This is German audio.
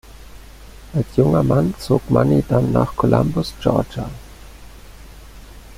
Als junger Mann zog Money dann nach Columbus, Georgia.